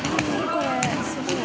これすごい。